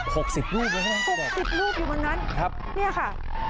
หกสิบรูปรึปะครับหกสิบรูปอยู่บางนั้นครับเนี้ยค่ะ